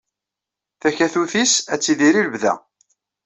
Takatut-is ad tidir i lebda.